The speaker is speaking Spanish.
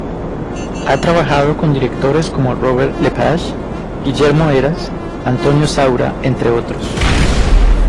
Ha trabajado con directores como Robert Lepage, Guillermo Heras, Antonio Saura, entre otros.